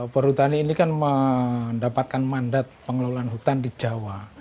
perhutani ini kan mendapatkan mandat pengelolaan hutan di jawa